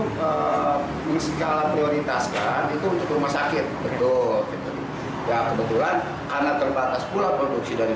mencetak prioritas kan itu untuk rumah sakit betul betul karena terbatas pula produksi dari